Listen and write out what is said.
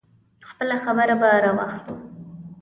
خپله خبره به راواخلو.